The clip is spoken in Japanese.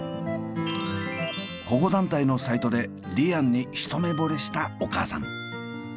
保護団体のサイトでリアンに一目ぼれしたお母さん。